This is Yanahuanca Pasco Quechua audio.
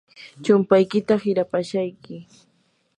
chumpaykita hirapashayki.